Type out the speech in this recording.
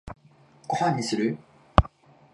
ご飯にする？